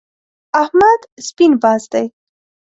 احمد سپين باز دی.